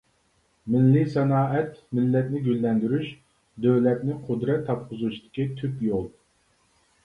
مىللىي سانائەت مىللەتنى گۈللەندۈرۈش، دۆلەتنى قۇدرەت تاپقۇزۇشتىكى تۈپ يول!